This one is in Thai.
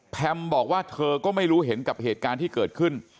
บอกว่าเธอก็ไม่รู้เห็นกับเหตุการณ์ที่เกิดขึ้น